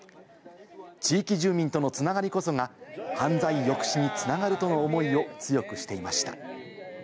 地域住民との繋がりこそが犯罪抑止に繋がるとの思いを強くしていました。